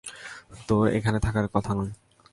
তোর এখানে থাকার কথা নয়।